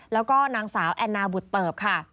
แล้วก็นางสาวแอนนาบุตเติบค่ะ